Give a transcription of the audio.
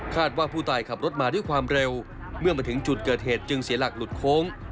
ว่าผู้ตายขับรถมาด้วยความเร็วเมื่อมาถึงจุดเกิดเหตุจึงเสียหลักหลุดโค้ง